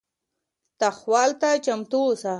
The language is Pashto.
تحول ته چمتو اوسئ.